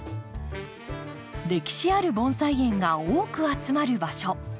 歴史ある盆栽園が多く集まる場所。